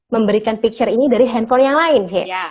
memberikan picture ini dari handphone yang lain sih